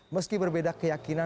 meski berbeda keyakinan